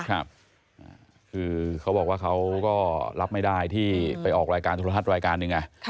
คือเขาบอกว่าเขาก็รับไม่ได้ที่ไปออกรายการโทรทัศน์รายการหนึ่ง